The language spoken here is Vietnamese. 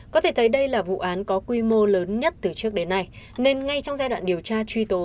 có thể thấy đây là vụ án có quy mô lớn nhất từ trước đến nay nên ngay trong giai đoạn điều tra truy tố